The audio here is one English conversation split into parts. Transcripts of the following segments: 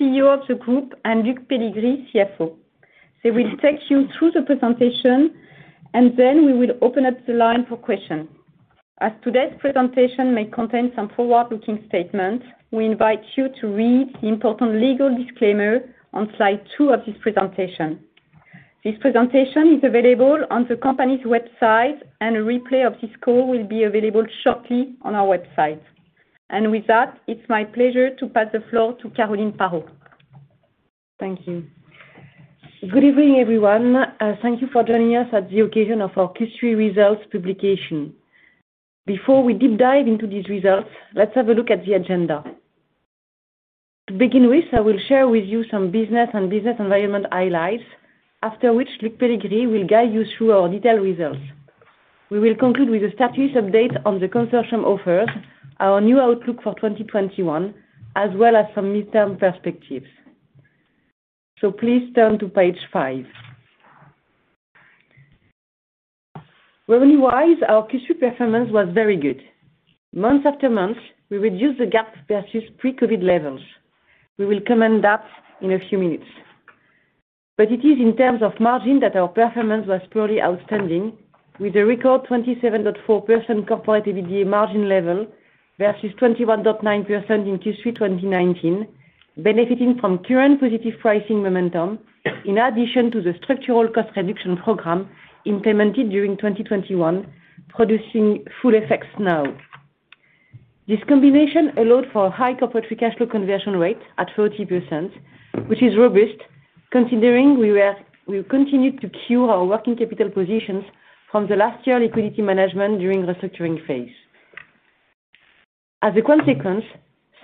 CEO of the group, and Luc Péligry, CFO. They will take you through the presentation, and then we will open up the line for questions. As today's presentation may contain some forward-looking statements, we invite you to read the important legal disclaimer on slide two of this presentation. This presentation is available on the company's website, and a replay of this call will be available shortly on our website. With that, it's my pleasure to pass the floor to Caroline Parot. Thank you. Good evening, everyone. Thank you for joining us at the occasion of our Q3 results publication. Before we deep dive into these results, let's have a look at the agenda. To begin with, I will share with you some business and business environment highlights, after which Luc Pellegrini will guide you through our detailed results. We will conclude with a status update on the consortium offers, our new outlook for 2021, as well as some midterm perspectives. Please turn to page five. Revenue-wise, our Q3 performance was very good. Month after month, we reduced the gap versus pre-COVID levels. We will comment that in a few minutes. It is in terms of margin that our performance was truly outstanding, with a record 27.4% Corporate EBITDA margin level versus 21.9% in Q3 2019, benefiting from current positive pricing momentum, in addition to the structural cost reduction program implemented during 2021, producing full effects now. This combination allowed for high corporate free cash flow conversion rate at 40%, which is robust, considering we continued to cure our working capital positions from the last year liquidity management during restructuring phase. As a consequence,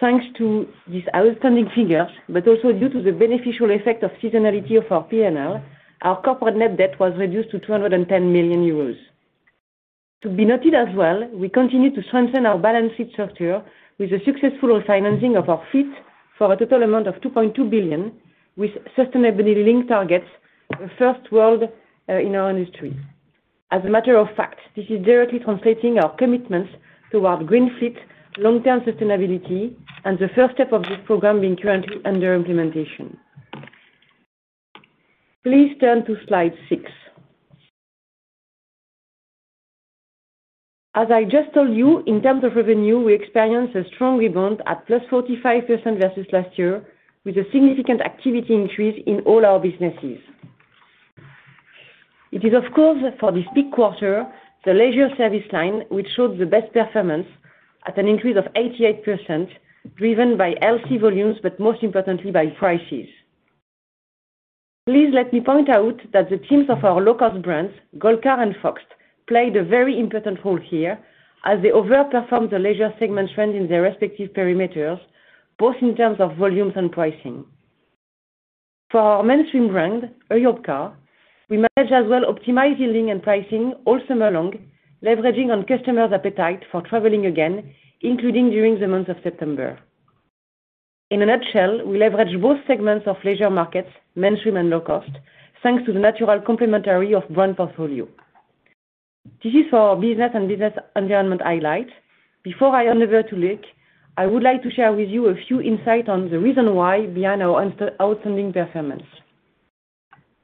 thanks to these outstanding figures, but also due to the beneficial effect of seasonality of our P&L, our corporate net debt was reduced to 210 million euros. To be noted as well, we continue to strengthen our balance sheet structure with the successful refinancing of our fleet for a total amount of 2.2 billion, with sustainability linked targets, the first worldwide in our industry. As a matter of fact, this is directly translating our commitments toward green fleet, long-term sustainability, and the first step of this program being currently under implementation. Please turn to slide six. As I just told you, in terms of revenue, we experienced a strong rebound at +45% versus last year, with a significant activity increase in all our businesses. It is, of course, for this peak quarter, the leisure service line, which showed the best performance at an increase of 88%, driven by healthy volumes, but most importantly by prices. Please let me point out that the teams of our low-cost brands, Goldcar and Fox, played a very important role here, as they outperformed the leisure segment trend in their respective perimeters, both in terms of volumes and pricing. For our mainstream brand, Europcar, we managed as well optimize yielding and pricing all summer long, leveraging on customers' appetite for traveling again, including during the month of September. In a nutshell, we leveraged both segments of leisure markets, mainstream and low cost, thanks to the natural complementary of brand portfolio. This is for our business and business environment highlight. Before I hand over to Luc, I would like to share with you a few insights on the reason why behind our outstanding performance.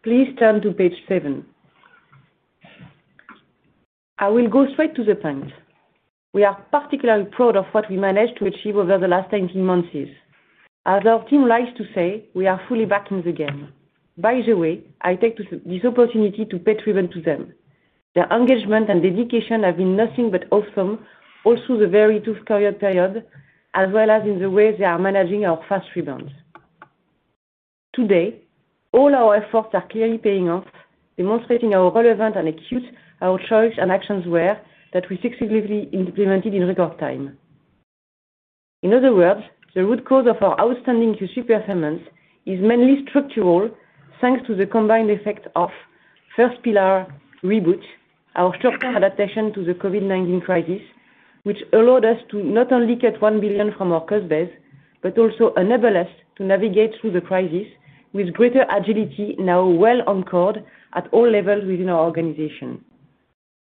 Please turn to page 7. I will go straight to the point. We are particularly proud of what we managed to achieve over the last 18 months. As our team likes to say, we are fully back in the game. By the way, I take this opportunity to pay tribute to them. Their engagement and dedication have been nothing but awesome, all through the very tough period, as well as in the way they are managing our fast rebounds. Today, all our efforts are clearly paying off, demonstrating how relevant and acute our choices and actions were that we successfully implemented in record time. In other words, the root cause of our outstanding Q3 performance is mainly structural, thanks to the combined effect of first pillar, Reboot, our short-term adaptation to the COVID-19 crisis, which allowed us to not only cut 1 billion from our cost base, but also enable us to navigate through the crisis with greater agility, now well anchored at all levels within our organization.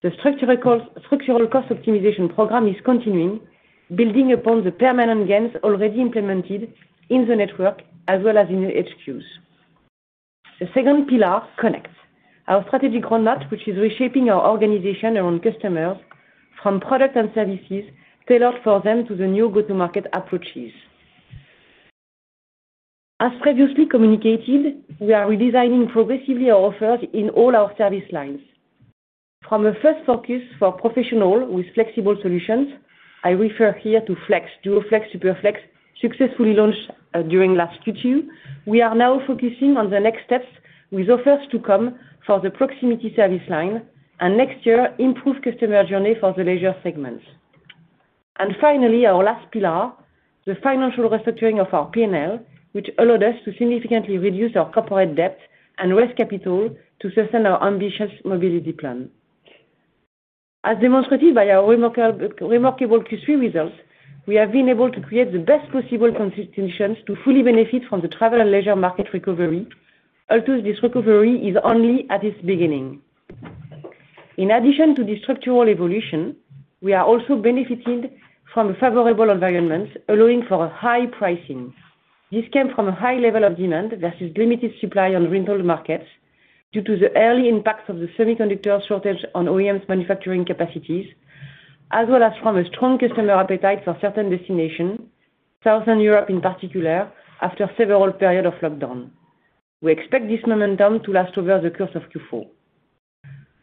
The structural cost optimization program is continuing, building upon the permanent gains already implemented in the network as well as in the HQs. The second pillar, Connect. Our strategic roadmap, which is reshaping our organization around customers from product and services tailored for them to the new go-to-market approaches. As previously communicated, we are redesigning progressively our offers in all our service lines. From a first focus for professional with flexible solutions, I refer here to Flex, DuoFlex, Superflex, successfully launched during last Q2, we are now focusing on the next steps with offers to come for the proximity service line, and next year, improve customer journey for the leisure segments. Finally, our last pillar, the financial restructuring of our P&L, which allowed us to significantly reduce our corporate debt and raise capital to sustain our ambitious mobility plan. As demonstrated by our remarkable Q3 results, we have been able to create the best possible conditions to fully benefit from the travel and leisure market recovery, although this recovery is only at its beginning. In addition to the structural evolution, we are also benefiting from favorable environments, allowing for high pricing. This came from a high level of demand versus limited supply on rental markets due to the early impacts of the semiconductor shortage on OEMs manufacturing capacities, as well as from a strong customer appetite for certain destinations, Southern Europe in particular, after several periods of lockdown. We expect this momentum to last over the course of Q4.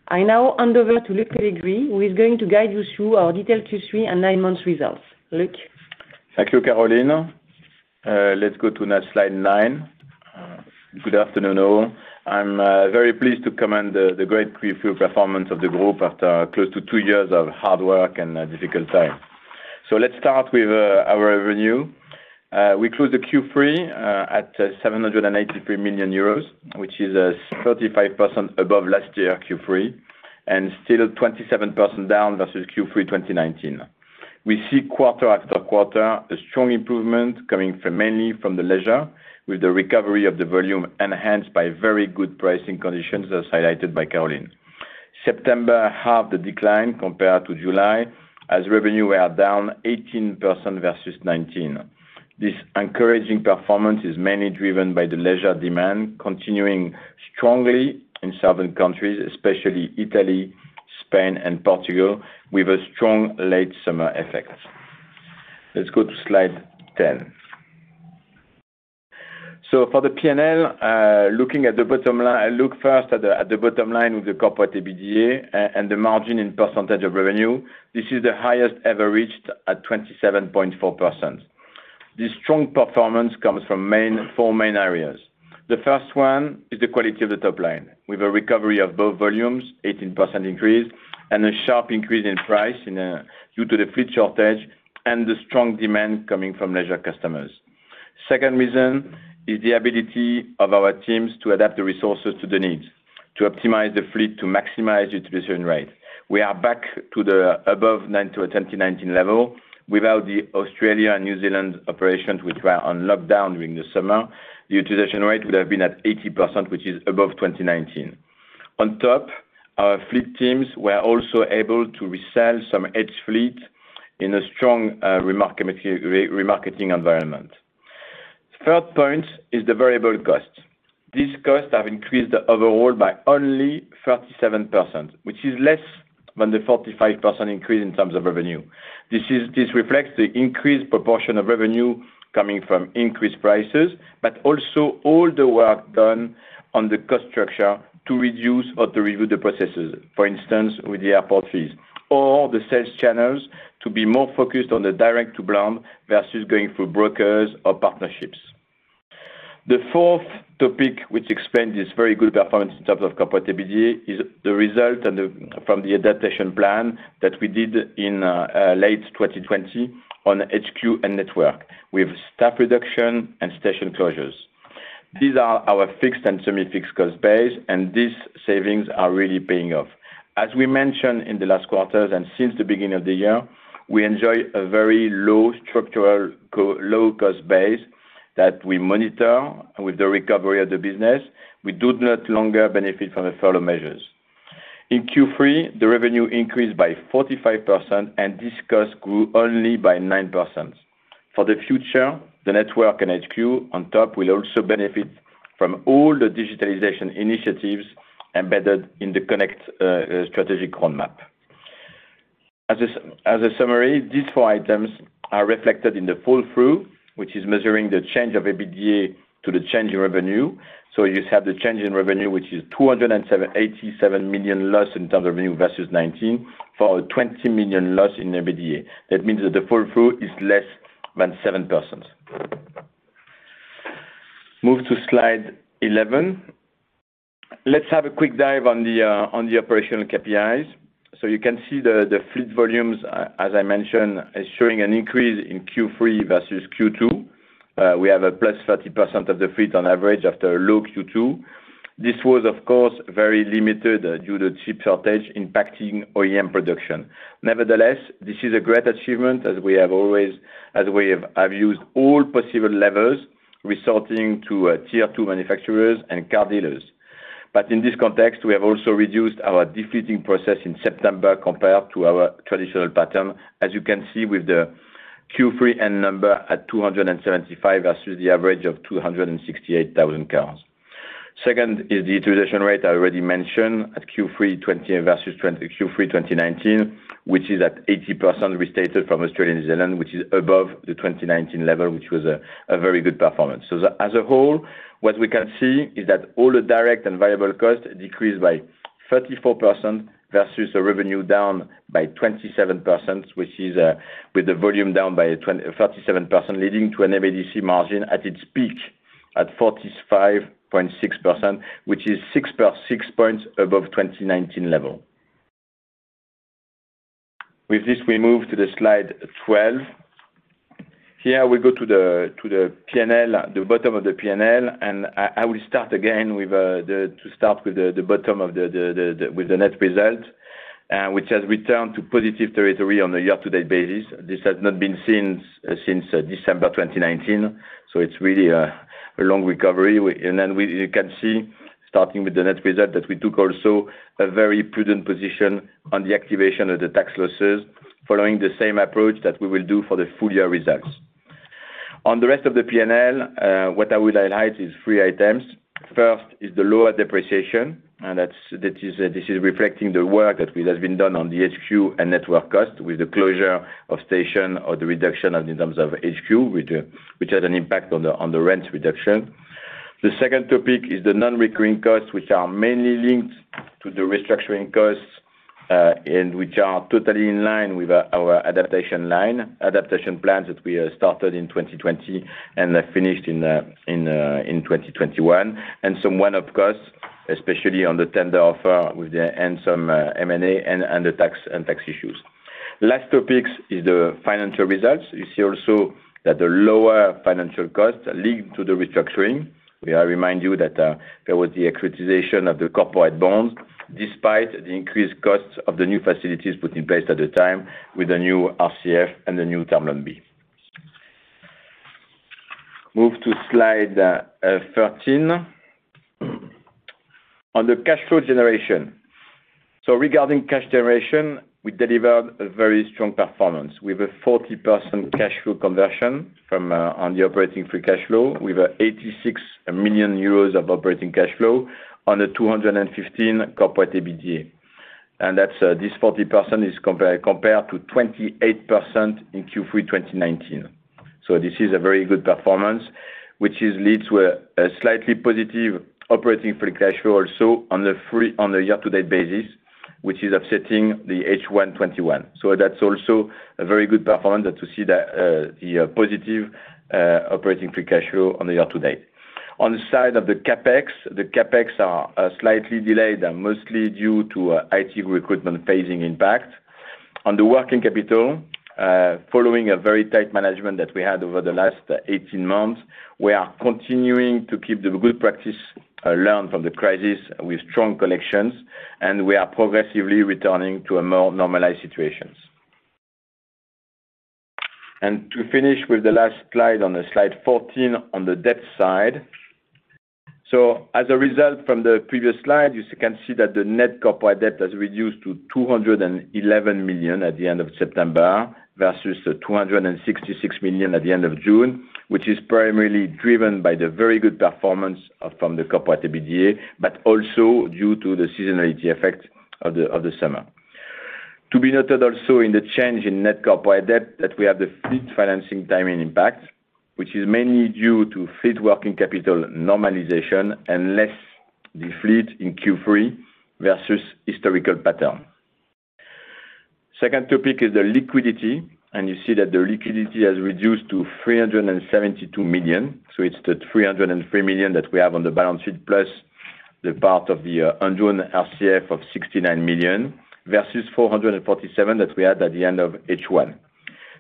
I now hand over to Luc Péligry, who is going to guide you through our detailed Q3 and nine months results. Luc. Thank you, Caroline. Let's now go to slide nine. Good afternoon, all. I'm very pleased to commend the great Q3 performance of the group after close to two years of hard work and a difficult time. Let's start with our revenue. We closed Q3 at 783 million euros, which is 35% above last year Q3, and still 27% down versus Q3 2019. We see quarter after quarter a strong improvement coming from, mainly from the leisure, with the recovery of the volume enhanced by very good pricing conditions, as highlighted by Caroline. September halved the decline compared to July, as revenues were down 18% versus 2019. This encouraging performance is mainly driven by the leisure demand continuing strongly in southern countries, especially Italy, Spain, and Portugal, with a strong late summer effect. Let's go to slide 10. For the P&L, look first at the bottom line with the corporate EBITDA and the margin in percentage of revenue. This is the highest ever reached at 27.4%. This strong performance comes from four main areas. The first one is the quality of the top line, with a recovery of both volumes, 18% increase, and a sharp increase in price due to the fleet shortage and the strong demand coming from leisure customers. Second reason is the ability of our teams to adapt the resources to the needs, to optimize the fleet, to maximize utilization rate. We are back to the above 90% to the 2019 level. Without the Australia and New Zealand operations, which were on lockdown during the summer, the utilization rate would have been at 80%, which is above 2019. On top, our fleet teams were also able to resell some aged fleet in a strong remarketing environment. Third point is the variable cost. These costs have increased overall by only 37%, which is less than the 45% increase in terms of revenue. This reflects the increased proportion of revenue coming from increased prices, but also all the work done on the cost structure to reduce or to review the processes. For instance, with the airport fees or the sales channels to be more focused on the direct to brand versus going through brokers or partnerships. The fourth topic which explains this very good performance in terms of Corporate EBITDA is the result from the adaptation plan that we did in late 2020 on HQ and network. We have staff reduction and station closures. These are our fixed and semi-fixed cost base, and these savings are really paying off. As we mentioned in the last quarters and since the beginning of the year, we enjoy a very low structural low cost base that we monitor with the recovery of the business. We no longer benefit from the further measures. In Q3, the revenue increased by 45%, and this cost grew only by 9%. For the future, the network and HQ on top will also benefit from all the digitalization initiatives embedded in the Connect strategic roadmap. As a summary, these four items are reflected in the flow-through, which is measuring the change of EBITDA to the change in revenue. You have the change in revenue, which is 287 million loss in terms of revenue versus 19, for a 20 million loss in EBITDA. That means that the flow-through is less than 7%. Move to slide 11. Let's have a quick dive on the operational KPIs. You can see the fleet volumes, as I mentioned, is showing an increase in Q3 versus Q2. We have a +30% of the fleet on average after a low Q2. This was of course very limited due to chip shortage impacting OEM production. Nevertheless, this is a great achievement as we have used all possible levers, resorting to tier two manufacturers and car dealers. In this context, we have also reduced our defleeting process in September compared to our traditional pattern, as you can see with the Q3 end number at 275 versus the average of 268,000 cars. Second is the utilization rate I already mentioned at Q3 2020 versus Q3 2019, which is at 80% restated from Australia and New Zealand, which is above the 2019 level, which was a very good performance. As a whole, what we can see is that all the direct and variable costs decreased by 34% versus a revenue down by 27%, which is with the volume down by 37%, leading to an MADC margin at its peak at 45.6%, which is 6 points above 2019 level. With this, we move to the slide 12. Here we go to the P&L, the bottom of the P&L, and I will start again with, to start with, the bottom of the P&L with the net result, which has returned to positive territory on a year-to-date basis. This has not been seen since December 2019, so it's really a long recovery. You can see, starting with the net result, that we took also a very prudent position on the activation of the tax losses, following the same approach that we will do for the full year results. On the rest of the P&L, what I would highlight is three items. First is the lower depreciation, and that is reflecting the work that has been done on the HQ and network cost with the closure of stations or the reduction in terms of HQ with which had an impact on the rent reduction. The second topic is the non-recurring costs, which are mainly linked to the restructuring costs, and which are totally in line with our adaptation line, adaptation plans that we started in 2020 and then finished in 2021. Some one-off costs, especially on the tender offer with the and some M&A and the tax issues. Last topic is the financial results. You see also that the lower financial costs lead to the restructuring. We remind you that there was the equitization of the corporate bonds, despite the increased costs of the new facilities put in place at the time with the new RCF and the new Term Loan B. Move to slide thirteen. On the cash flow generation. Regarding cash generation, we delivered a very strong performance with a 40% cash flow conversion on the operating free cash flow, with 86 million euros of operating cash flow on the 215 Corporate EBITDA. That's this 40% compared to 28% in Q3 2019. This is a very good performance, which leads to a slightly positive operating free cash flow also on the year-to-date basis, which is offsetting the H1 2021. That's also a very good performance that we see the positive operating free cash flow on the year-to-date. On the side of the CapEx, the CapEx are slightly delayed, and mostly due to IT recruitment phasing impact. On the working capital, following a very tight management that we had over the last 18 months, we are continuing to keep the good practice learned from the crisis with strong collections, and we are progressively returning to a more normalized situations. To finish with the last slide, on the slide 14, on the debt side. As a result from the previous slide, you can see that the Corporate net debt has reduced to 211 million at the end of September, versus 266 million at the end of June, which is primarily driven by the very good performance from the Corporate EBITDA, but also due to the seasonality effect of the summer. To be noted also in the change in Corporate net debt, that we have the fleet financing timing impact, which is mainly due to fleet working capital normalization and less defleet in Q3 versus historical pattern. Second topic is the liquidity, and you see that the liquidity has reduced to 372 million, so it's the 303 million that we have on the balance sheet, plus the part of the undrawn RCF of 69 million, versus 447 million that we had at the end of H1.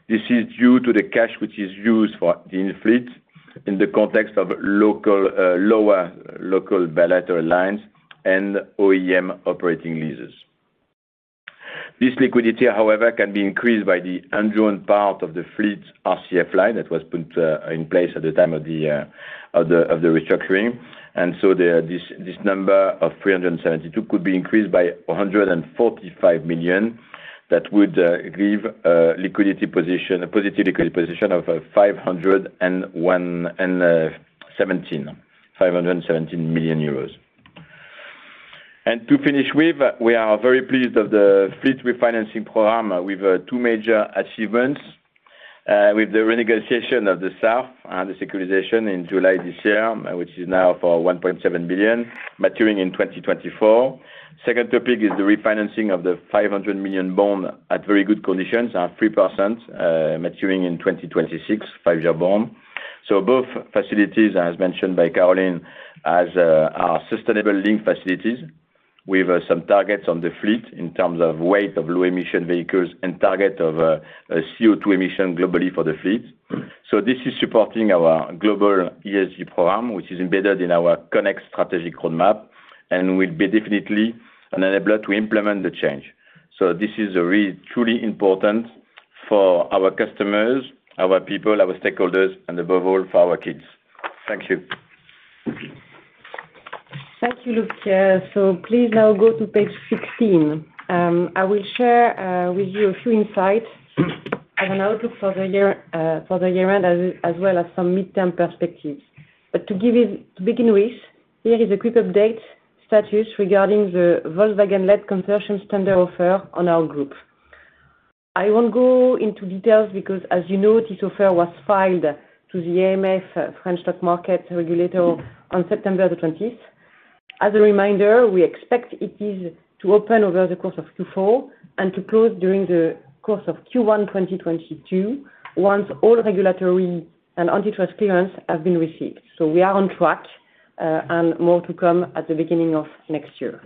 This is due to the cash which is used for in fleet in the context of local lower local bilateral lines and OEM operating leases. This liquidity, however, can be increased by the undrawn part of the fleet's RCF line that was put in place at the time of the restructuring. The number of 372 could be increased by 145 million that would give a liquidity position, a positive liquidity position of 517 million euros. To finish with, we are very pleased with the fleet refinancing program with two major achievements. With the renegotiation of the SARF, the securitization in July this year, which is now for 1.7 billion, maturing in 2024. Second topic is the refinancing of the 500 million bond at very good conditions, at 3%, maturing in 2026, five-year bond. Both facilities, as mentioned by Caroline, are sustainability-linked facilities. We have some targets on the fleet in terms of weight of low emission vehicles and target of CO2 emission globally for the fleet. This is supporting our global ESG program, which is embedded in our Connect strategic roadmap and will be definitely an enabler to implement the change. This is really truly important for our customers, our people, our stakeholders, and above all, for our kids. Thank you. Thank you, Luc. Please now go to page 16. I will share with you a few insights on an outlook for the year, for the year end as well as some midterm perspectives. To begin with, here is a quick update status regarding the Volkswagen-led consortium tender offer on our group. I won't go into details because as you know, this offer was filed to the AMF, French financial markets regulator, on September the twentieth. As a reminder, we expect it is to open over the course of Q4 and to close during the course of Q1 2022, once all regulatory and antitrust clearance have been received. We are on track, and more to come at the beginning of next year.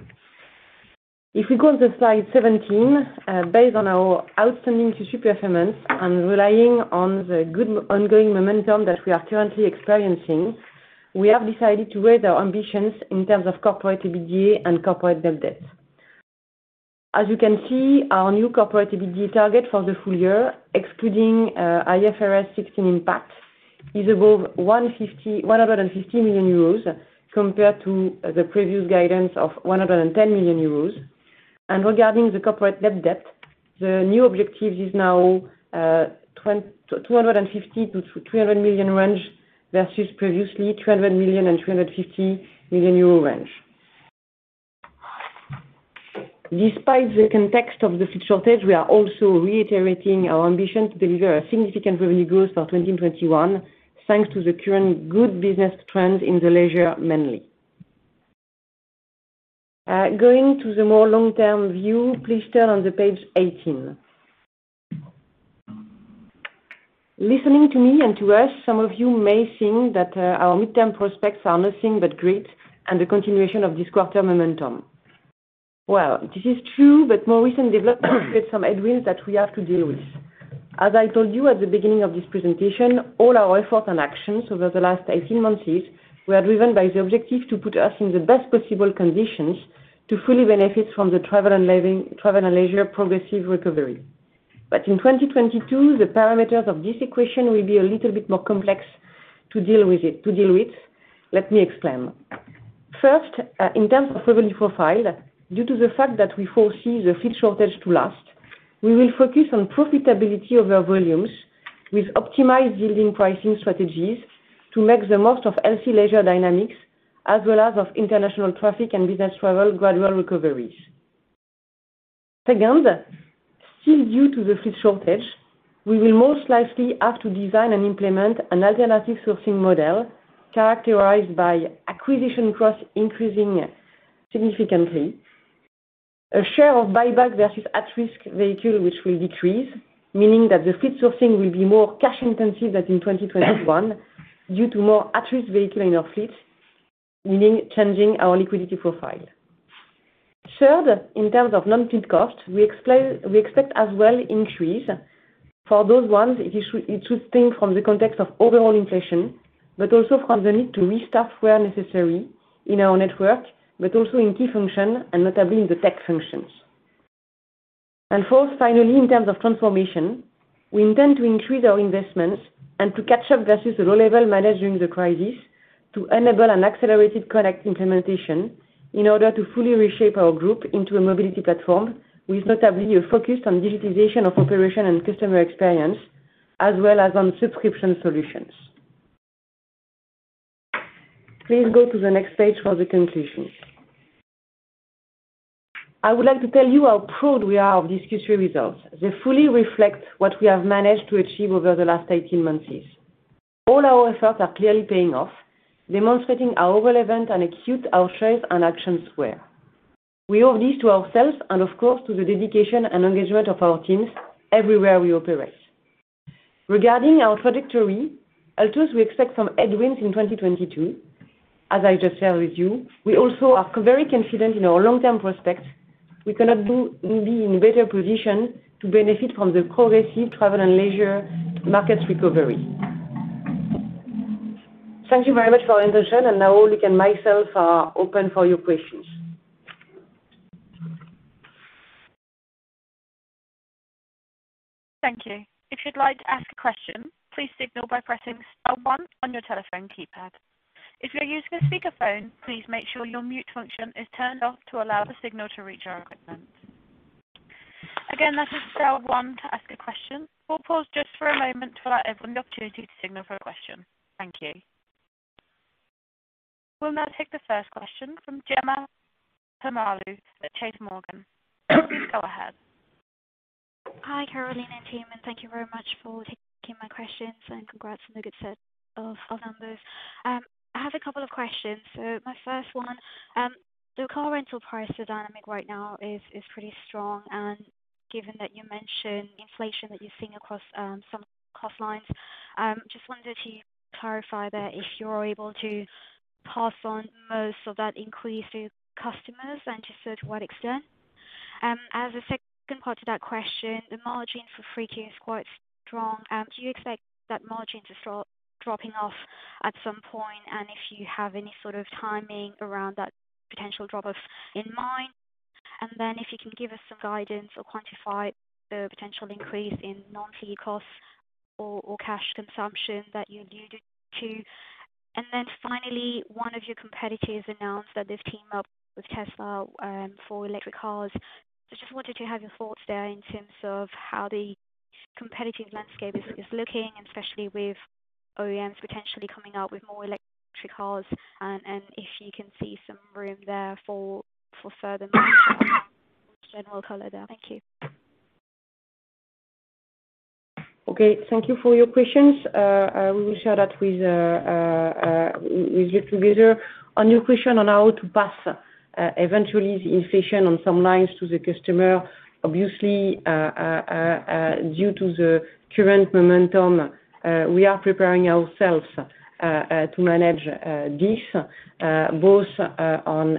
If we go on to slide 17, based on our outstanding Q3 performance and relying on the good ongoing momentum that we are currently experiencing. We have decided to raise our ambitions in terms of corporate EBITDA and corporate net debt. As you can see, our new corporate EBITDA target for the full year, excluding IFRS 16 impact, is above 150 million euros compared to the previous guidance of 110 million euros. Regarding the corporate net debt, the new objective is now 250 million-300 million range versus previously 200 million-250 million euro range. Despite the context of the fleet shortage, we are also reiterating our ambition to deliver a significant revenue growth for 2021, thanks to the current good business trends in the leisure mainly. Going to the more long-term view, please turn to page 18. Listening to me and to us, some of you may think that our midterm prospects are nothing but great and the continuation of this quarter momentum. Well, this is true, but more recent developments create some headwinds that we have to deal with. As I told you at the beginning of this presentation, all our efforts and actions over the last 18 months here were driven by the objective to put us in the best possible conditions to fully benefit from the travel and leisure progressive recovery. In 2022, the parameters of this equation will be a little bit more complex to deal with. Let me explain. First, in terms of revenue profile, due to the fact that we foresee the fleet shortage to last, we will focus on profitability over volumes with optimized yielding pricing strategies to make the most of healthy leisure dynamics as well as of international traffic and business travel gradual recoveries. Second, still due to the fleet shortage, we will most likely have to design and implement an alternative sourcing model characterized by acquisition costs increasing significantly, a share of buyback versus at-risk vehicle which will decrease, meaning that the fleet sourcing will be more cash intensive as in 2021 due to more at-risk vehicle in our fleet, meaning changing our liquidity profile. Third, in terms of non-fleet cost, we expect as well increase. For those ones, it should stem from the context of overall inflation, but also from the need to restaff where necessary in our network, but also in key function and notably in the tech functions. Fourth, finally, in terms of transformation, we intend to increase our investments and to catch up versus the low level managed during the crisis to enable an accelerated Connect implementation in order to fully reshape our group into a mobility platform with notably a focus on digitization of operation and customer experience as well as on subscription solutions. Please go to the next page for the conclusions. I would like to tell you how proud we are of these Q3 results. They fully reflect what we have managed to achieve over the last 18 months here. All our efforts are clearly paying off, demonstrating how relevant and acute our choice and actions were. We owe this to ourselves and of course to the dedication and engagement of our teams everywhere we operate. Regarding our trajectory, although we expect some headwinds in 2022. As I just shared with you, we also are very confident in our long-term prospects. We cannot be in a better position to benefit from the progressive travel and leisure markets recovery. Thank you very much for your attention. Now, Luc and myself are open for your questions. Thank you. If you'd like to ask a question, please signal by pressing star one on your telephone keypad. If you're using a speakerphone, please make sure your mute function is turned off to allow the signal to reach our equipment. Again, that is star one to ask a question. We'll pause just for a moment to allow everyone the opportunity to signal for a question. Thank you. We'll now take the first question from Gemma [Shermal] at J.P. Morgan. Please go ahead. Hi, Caroline and team, and thank you very much for taking my questions, and congrats on the good set of numbers. I have a couple of questions. My first one, the car rental price dynamic right now is pretty strong. Given that you mentioned inflation that you're seeing across some cost lines, just wondered if you clarify that if you're able to pass on most of that increase to your customers and to what extent. As a second part to that question, the margin for free cash is quite strong. Do you expect that margins are start dropping off at some point? If you have any sort of timing around that potential drop-off in mind. If you can give us some guidance or quantify the potential increase in non-fleet costs or cash consumption that you alluded to. Finally, one of your competitors announced that they've teamed up with Tesla for electric cars. Just wanted to have your thoughts there in terms of how the competitive landscape is looking, especially with OEMs potentially coming out with more electric cars, and if you can see some room there for further general color there. Thank you. Okay. Thank you for your questions. We will share that with you together. On your question on how to pass eventually the inflation on some lines to the customer, obviously due to the current momentum, we are preparing ourselves to manage this both on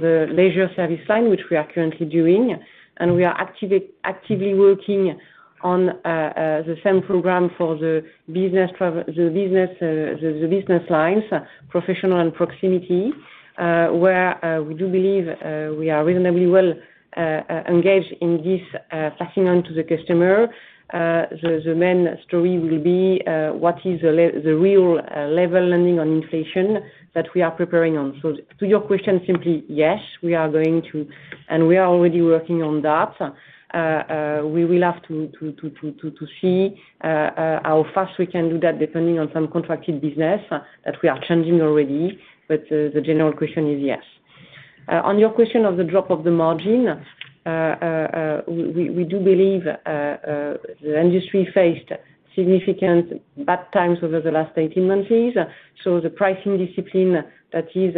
the leisure service side, which we are currently doing, and we are actively working on the same program for the business travel, the business lines, professional and proximity, where we do believe we are reasonably well engaged in this passing on to the customer. The main story will be what is the real level depending on inflation that we are preparing on. To your question, simply yes, we are going to, and we are already working on that. We will have to see how fast we can do that depending on some contracted business that we are changing already. The general question is yes. On your question of the drop of the margin, we do believe the industry faced significant bad times over the last 18 months. The pricing discipline that is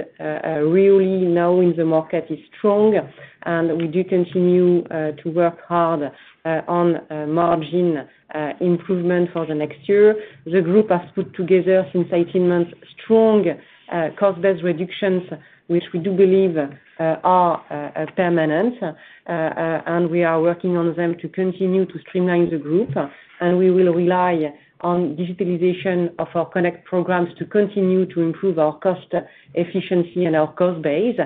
really now in the market is strong, and we do continue to work hard on margin improvement for the next year. The group has put together since 18 months strong cost base reductions, which we do believe are permanent. We are working on them to continue to streamline the group. We will rely on digitalization of our Connect programs to continue to improve our cost efficiency and our cost base,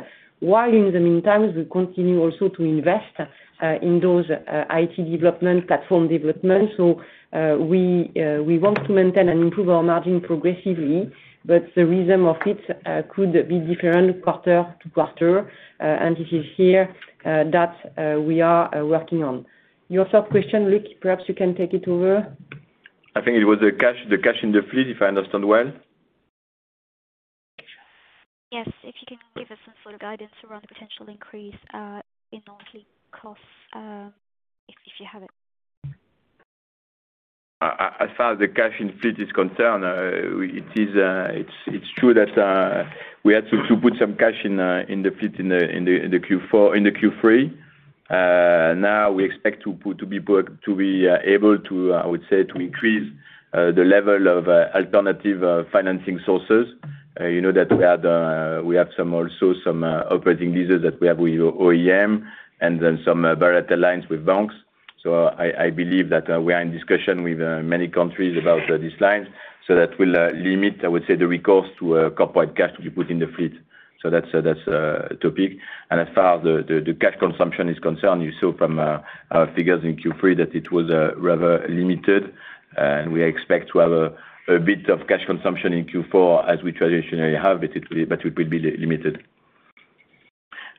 while in the meantime, we continue also to invest in those IT development, platform development. We want to maintain and improve our margin progressively, but the rhythm of it could be different quarter to quarter and it is here that we are working on. Your third question, Luc, perhaps you can take it over. I think it was the cash in the fleet, if I understand well. Yes. If you can give us some sort of guidance around the potential increase in monthly costs, if you have it? As far as the cash in fleet is concerned, it is true that we had to put some cash in the fleet in the Q3. Now we expect to be able to, I would say, increase the level of alternative financing sources. You know that we have some operating leases that we have with OEM and then some various lines with banks. I believe that we are in discussion with many countries about these lines. So that will limit, I would say, the recourse to corporate cash to be put in the fleet. So that's a topic. As far as the cash consumption is concerned, you saw from our figures in Q3 that it was rather limited, and we expect to have a bit of cash consumption in Q4 as we traditionally have, but it will be limited.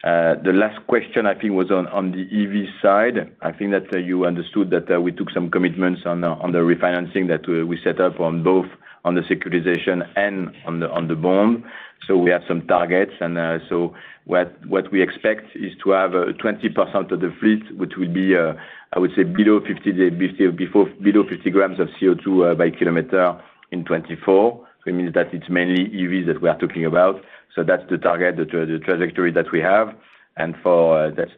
The last question, I think was on the EV side. I think that you understood that we took some commitments on the refinancing that we set up on both the securitization and the bond. We have some targets. What we expect is to have 20% of the fleet, which will be, I would say, below 50 grams of CO2 by kilometer in 2024. It means that it's mainly EVs that we are talking about. That's the target, the trajectory that we have. That's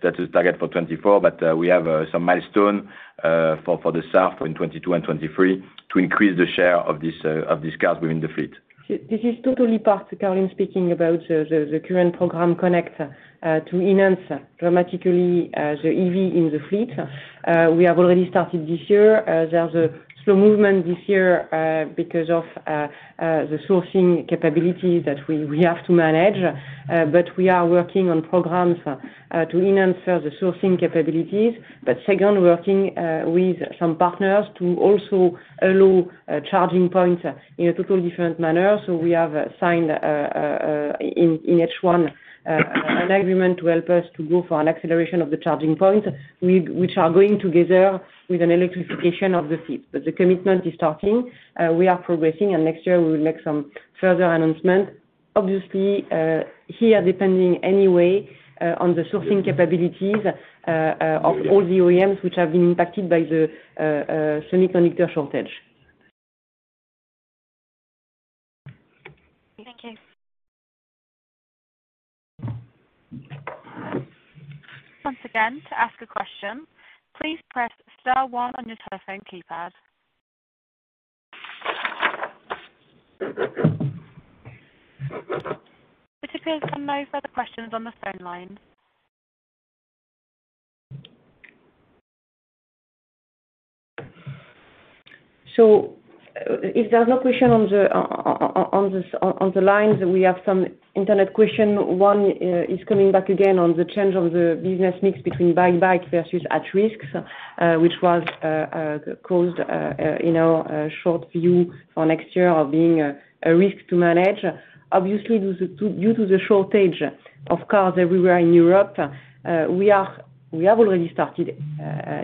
the target for 2024, but we have some milestone for the south in 2022 and 2023 to increase the share of these cars within the fleet. This is totally part, Caroline speaking, about the current program Connect to enhance dramatically the EV in the fleet. We have already started this year. There's a slow movement this year because of the sourcing capabilities that we have to manage, but we are working on programs to enhance the sourcing capabilities. Second, working with some partners to also allow charging points in a totally different manner. We have signed in H1 an agreement to help us to go for an acceleration of the charging points which are going together with an electrification of the fleet. The commitment is starting. We are progressing, and next year we will make some further announcement. Obviously, here, depending anyway on the sourcing capabilities of all the OEMs which have been impacted by the semiconductor shortage. Thank you. Once again, to ask a question, please press star one on your telephone keypad. Participants have no further questions on the phone lines. If there's no question on the lines, we have some internet question. One is coming back again on the change of the business mix between buyback versus at-risk, which was, you know, a short view for next year of being a risk to manage. Obviously, due to the shortage of cars everywhere in Europe, we have already started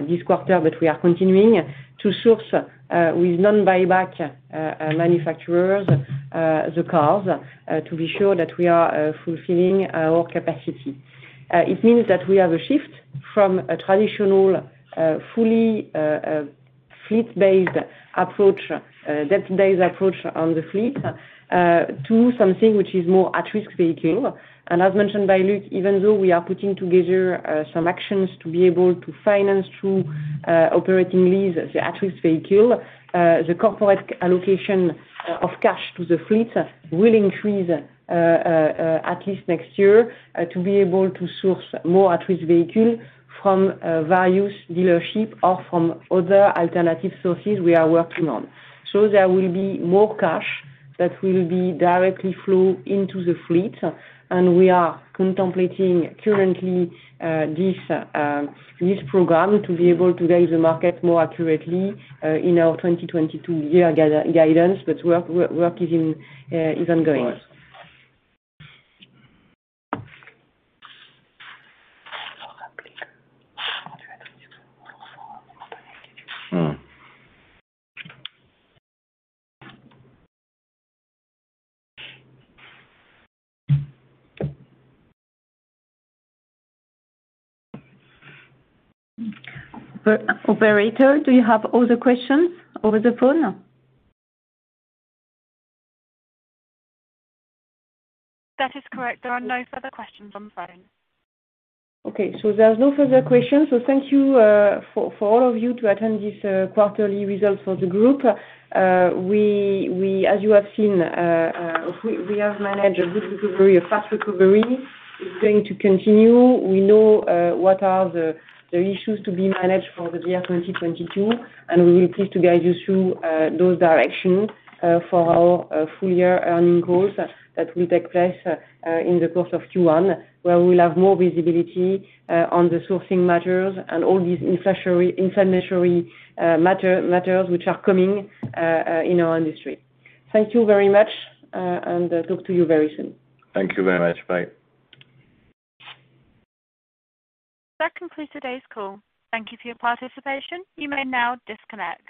this quarter, but we are continuing to source with non-buyback manufacturers the cars to be sure that we are fulfilling our capacity. It means that we have a shift from a traditional fully fleet-based approach, debt-based approach on the fleet, to something which is more at-risk vehicle. As mentioned by Luc, even though we are putting together some actions to be able to finance through operating lease the at-risk vehicle, the corporate allocation of cash to the fleet will increase at least next year to be able to source more at-risk vehicle from various dealership or from other alternative sources we are working on. There will be more cash that will be directly flow into the fleet, and we are contemplating currently this program to be able to guide the market more accurately in our 2022 year guidance. Work is ongoing. Mm. Operator, do you have all the questions over the phone? That is correct. There are no further questions on phone. Okay. There's no further questions. Thank you for all of you to attend this quarterly results for the group. We, as you have seen, have managed a good recovery, a fast recovery. It's going to continue. We know what are the issues to be managed for the year 2022, and we will continue to guide you through those directions for our full year earning growth that will take place in the course of Q1, where we'll have more visibility on the sourcing matters and all these inflationary matters which are coming in our industry. Thank you very much, and talk to you very soon. Thank you very much. Bye. That concludes today's call. Thank you for your participation. You may now disconnect.